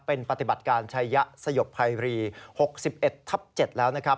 เป็นปฏิบัติการชัยยะสยบภัยรี๖๑ทับ๗แล้วนะครับ